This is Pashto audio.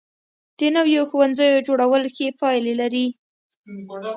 د نویو ښوونځیو جوړول ښې پایلې لري.